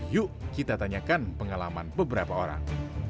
yuk kita tanyakan pengalaman beberapa orang